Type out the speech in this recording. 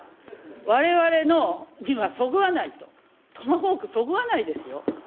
われわれのにはそぐわないと、トマホークそぐわないですよ。